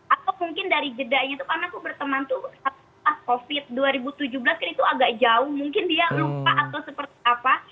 atau mungkin dari jedanya itu karena aku berteman tuh pas covid dua ribu tujuh belas kan itu agak jauh mungkin dia lupa atau seperti apa